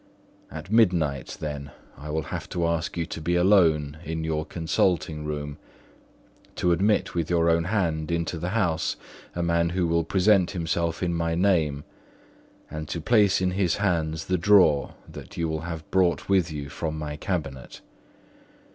At midnight, then, I have to ask you to be alone in your consulting room, to admit with your own hand into the house a man who will present himself in my name, and to place in his hands the drawer that you will have brought with you from my cabinet.